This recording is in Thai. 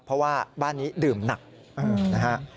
เพราะว่าบ้านนี้ดื่มหนักนะฮะ